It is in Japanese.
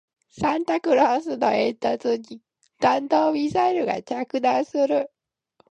サンタクロースの煙突に弾道ミサイルが着弾する